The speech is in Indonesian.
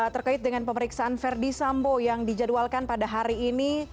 terkait dengan pemeriksaan verdi sambo yang dijadwalkan pada hari ini